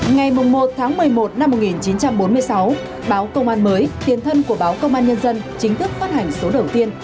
ngày một tháng một mươi một năm một nghìn chín trăm bốn mươi sáu báo công an mới tiền thân của báo công an nhân dân chính thức phát hành số đầu tiên